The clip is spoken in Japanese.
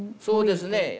そうですね。